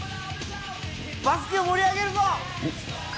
バスケを盛り上げるぞ！